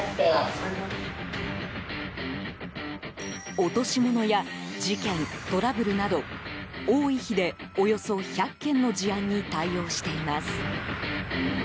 落とし物や事件、トラブルなど多い日でおよそ１００件の事案に対応しています。